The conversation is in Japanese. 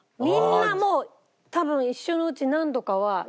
みんなもう多分一生のうち何度かは。